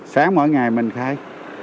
sáng mỗi ngày mình khai